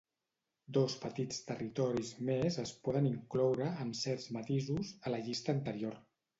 Dos petits territoris més es poden incloure, amb certs matisos, a la llista anterior.